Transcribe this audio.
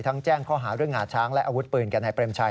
แจ้งข้อหาเรื่องงาช้างและอาวุธปืนกันในเปรมชัย